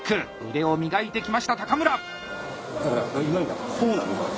腕を磨いてきました高村！